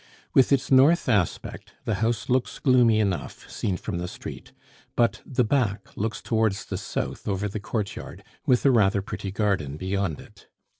With its north aspect, the house looks gloomy enough seen from the street, but the back looks towards the south over the courtyard, with a rather pretty garden beyond it.